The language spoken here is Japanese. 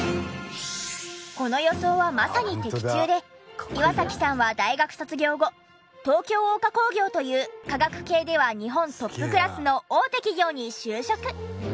この予想はまさに的中で岩崎さんは大学卒業後東京応化工業という化学系では日本トップクラスの大手企業に就職。